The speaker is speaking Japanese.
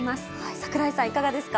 櫻井さん、いかがですか。